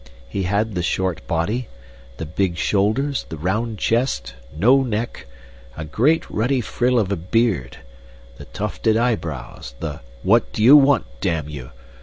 He had the short body, the big shoulders, the round chest, no neck, a great ruddy frill of a beard, the tufted eyebrows, the 'What do you want, damn you!'